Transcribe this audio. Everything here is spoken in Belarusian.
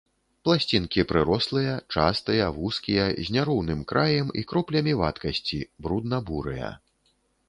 Пласцінкі прырослыя, частыя, вузкія, з няроўным краем і кроплямі вадкасці, брудна-бурыя.